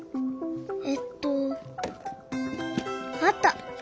えっとあった！